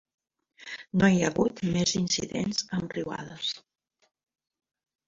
No hi ha hagut més incidents amb riuades.